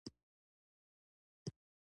راجا بیربل ډېر هوښیار سړی وو.